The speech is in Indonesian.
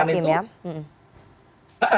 jadi itu subjektivitas hakim ya